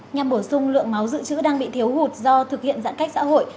nhằm bổ sung lượng máu dự trữ đang bị thiếu hụt do thực hiện giãn cách xã hội